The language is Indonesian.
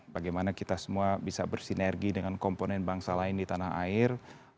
bagaimana kita semua bisa bersinergi dengan komponen bangsa lain di tanah air